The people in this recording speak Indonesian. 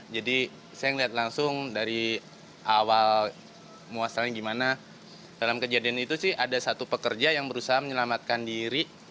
jadi saya melihat langsung dari awal muasalnya bagaimana dalam kejadian itu sih ada satu pekerja yang berusaha menyelamatkan diri